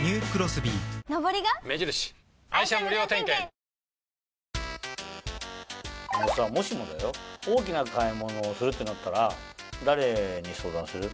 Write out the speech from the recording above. あのさもしもだよ大きな買い物するってなったら誰に相談する？